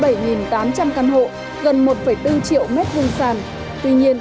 tuy nhiên các doanh nghiệp đầu tư nhà ở xã hội